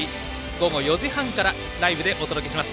午後４時半からライブでお届けします。